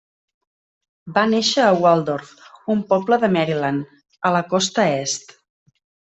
Va néixer a Waldorf, un poble de Maryland, a la costa est.